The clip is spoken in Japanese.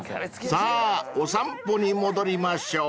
［さぁお散歩に戻りましょう］